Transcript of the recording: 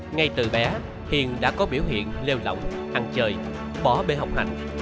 ngay từ bé hiền đã có biểu hiện lều lỏng ăn chơi bỏ bê học hành